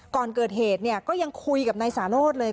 ก่อนเกิดเหตุเนี่ยก็ยังคุยกับนายสาโรธเลย